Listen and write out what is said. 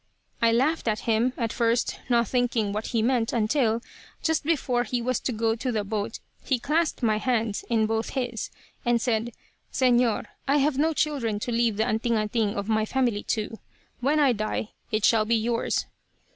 "I laughed at him, at first, not thinking what he meant, until, just before he was to go to the boat, he clasped my hand in both his, and said, 'Señor, I have no children to leave the "anting anting" of my family to. When I die, it shall be yours.'